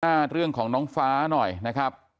เรื่องของน้องฟ้าหน่อยนะครับ